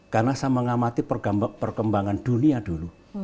karena saya mengamati perkembangan dunia dulu